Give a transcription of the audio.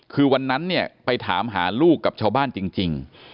คือวันนั้นเนี่ยไปถามหาลูกกับชาวบ้านจริง